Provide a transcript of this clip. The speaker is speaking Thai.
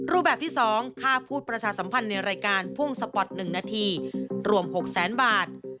รูปแบบที่๒ค่าพูดประชาสัมพันธ์ในรายการพุ่งสปอร์ต๑นาทีรวม๖แสนบาท